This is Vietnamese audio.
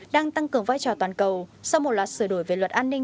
đang tăng cường vai trò toàn cầu sau một loạt sửa đổi về luật an ninh